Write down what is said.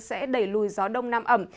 sẽ đẩy lùi gió đông nam ẩm